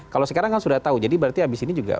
kalau sekarang kan sudah tahu jadi berarti abis ini juga